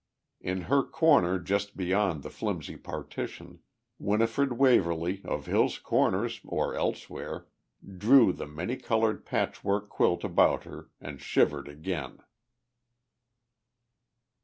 In her corner just beyond the flimsy partition, Winifred Waverly, of Hill's Corners or elsewhere, drew the many coloured patch work quilt about her and shivered again.